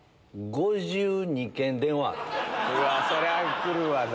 そりゃ来るわな。